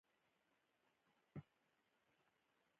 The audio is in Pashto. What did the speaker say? خوب د غمونو ژور درمل دی